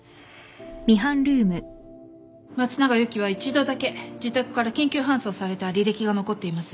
松永由貴は一度だけ自宅から緊急搬送された履歴が残っています。